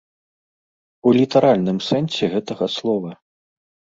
У літаральным сэнсе гэтага слова.